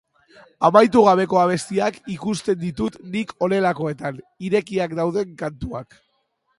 Amaitu gabeko abestiak ikusten ditut nik honelakoetan, irekiak dauden kantuak.